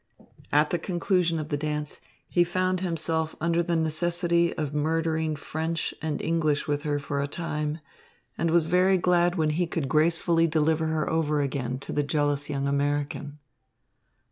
At the conclusion of the dance, he found himself under the necessity of murdering French and English with her for a time and was very glad when he could gracefully deliver her over again to the jealous young American.